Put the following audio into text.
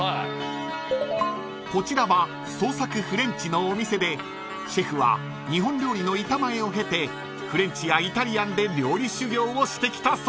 ［こちらは創作フレンチのお店でシェフは日本料理の板前を経てフレンチやイタリアンで料理修業をしてきたそうです］